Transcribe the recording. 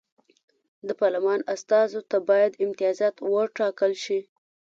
د پارلمان استازو ته باید امتیازات وټاکل شي.